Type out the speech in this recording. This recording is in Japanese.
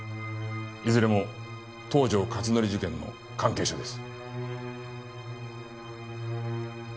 いずれも東条克典事件の関係者です。